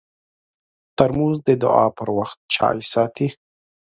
ترموز د دعا پر وخت چای ساتي.